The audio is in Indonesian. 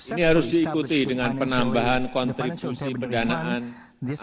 ini harus diikuti dengan penambahan kontribusi pendanaan